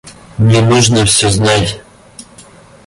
Мне нужно всё знать.